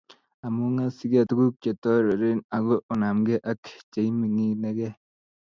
Among'asyige tuguk che tororen , ago onamge ak che iming'inegei.